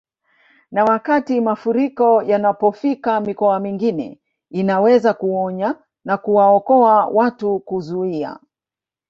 Na wakati mafuriko yanapofika mikoa mingine inaweza kuonya na kuwaokoa watu kuzuia